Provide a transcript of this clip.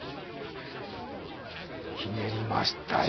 ひねりましたよ。